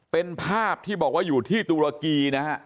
เป็นภาพที่บอกว่าอยู่ที่ตุรกีนะฮะ